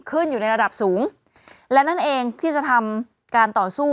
อยู่ในระดับสูงและนั่นเองที่จะทำการต่อสู้